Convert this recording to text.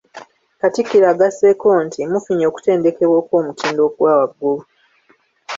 Katikkiro agasseeko nti “mufunye okutendekebwa okw'omutindo ogwa waggulu"